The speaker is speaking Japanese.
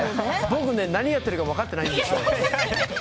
僕も何やってるか分からないんですよ。